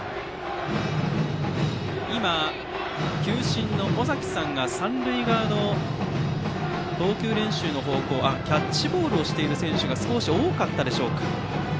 球審の尾崎さんが三塁側の投球練習の方向へキャッチボールをしている選手が少し多かったでしょうか。